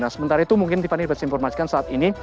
nah sementara itu mungkin tifani dapat disinformasikan saat ini